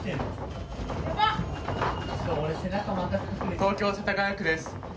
東京・世田谷区です。